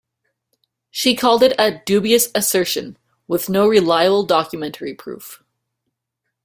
She called it a "dubious assertion" with no reliable documentary proof.